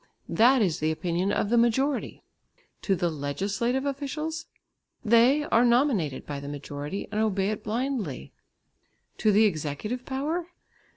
That is the opinion of the majority. To the legislative officials? They are nominated by the majority and obey it blindly. To the executive power?